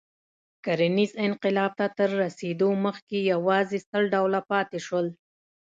کرنیز انقلاب ته تر رسېدو مخکې یواځې سل ډوله پاتې شول.